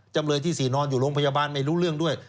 จำเลยที่๔นอนอยู่โรงพยาบาลไม่รู้เรื่องด้วย